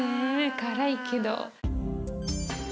辛いけど。